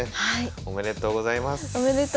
おめでとうございます。